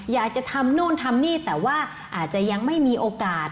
อยากจะทำนู่นทำนี่แต่ว่าอาจจะยังไม่มีโอกาส